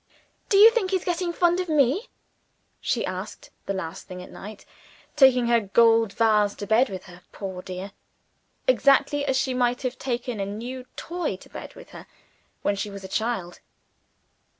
"Do you think he is getting fond of me?" she asked, the last thing at night; taking her gold vase to bed with her, poor dear exactly as she might have taken a new toy to bed with her when she was a child.